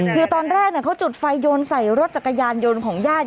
คือตอนแรกเขาจุดไฟโยนใส่รถจักรยานยนต์ของญาติ